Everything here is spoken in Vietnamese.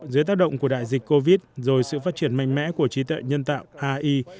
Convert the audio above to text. dưới tác động của đại dịch covid rồi sự phát triển mạnh mẽ của trí tuệ nhân tạo ai